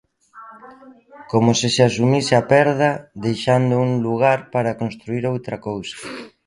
Como se se asumise a perda, deixando un lugar para construír outra cousa.